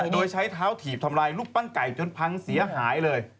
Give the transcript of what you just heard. โดยใช้เท้าถีบทำลายรูปปั้นไก่จนพังเสียหายเลย